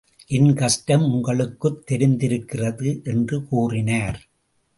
என் கஷ்டம் உங்களுக்குத் தெரிந்திருக்கிறது. என்று கூறினார்.